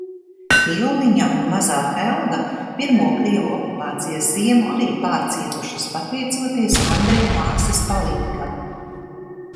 Tilliņa un mazā Helga pirmo krievu okupācijas ziemu arī pārcietušas, pateicoties Andreja māsas palīgam.